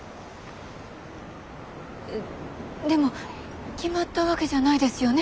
えでも決まったわけじゃないですよね？